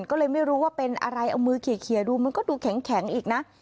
ก็เลยไม่รู้ว่าเป็นอะไรเอามือเขียดูมันก็ดูแข็งอีกนะ